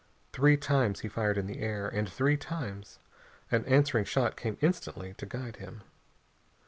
Three times he fired in the air, and three times an answering shot came instantly, to guide him.